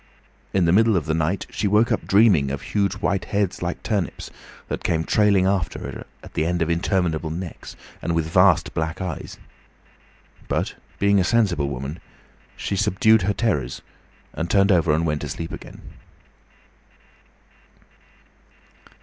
In the middle of the night she woke up dreaming of huge white heads like turnips, that came trailing after her, at the end of interminable necks, and with vast black eyes. But being a sensible woman, she subdued her terrors and turned over and went to sleep again.